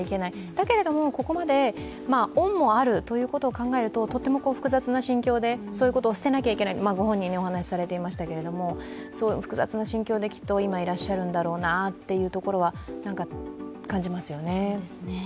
だけれども、ここまで恩もあることを考えると、とっても複雑な心境で、そういうことを捨てなきゃいけない、ご本人もお話しされていましたけど複雑な心境でいらっしゃるんだろうなというところは感じますよね。